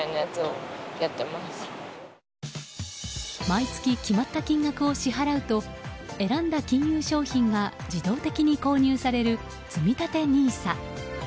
毎月決まった金額を支払うと選んだ金融商品が、自動的に購入される、つみたてＮＩＳＡ。